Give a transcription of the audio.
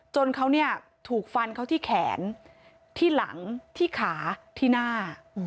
จนเขาเนี่ยถูกฟันเขาที่แขนที่หลังที่ขาที่หน้า